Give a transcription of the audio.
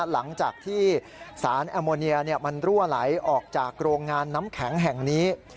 หลังจากที่สารแอลโมเนียมันรั่วไหลออกจากโรงงานน้ำแข็งแห่งนี้